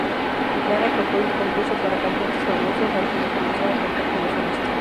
Lara tocó y compuso para cantantes famosos antes de comenzar a cantar como solista.